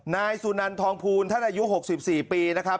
นายสุนันทองภูลท่านอายุ๖๔ปีนะครับ